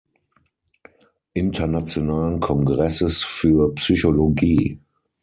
Internationalen Kongresses für Psychologie.